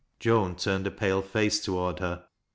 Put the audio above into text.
Joan turned a pale face toward her.